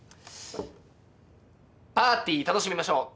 パーティー楽しみましょう。